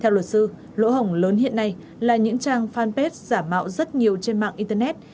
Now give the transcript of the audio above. theo luật sư lỗ hổng lớn hiện nay là những trang fanpage giả mạo rất nhiều trên mạng internet